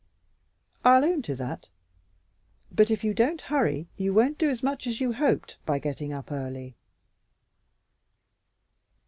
"I'll own to that. But if you don't hurry you won't do as much as you hoped by getting up early."